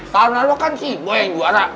tahun lalu kan sih gue yang juara